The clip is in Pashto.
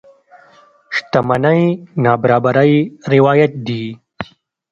شتمنۍ نابرابرۍ روايت دي.